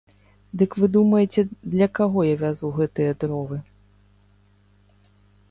Дык вы думаеце, для каго я вязу гэтыя дровы?